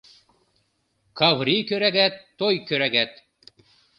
Каври кӧрагат — той кӧрагат